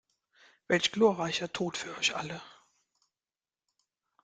Welch gloreicher Tot für euch alle!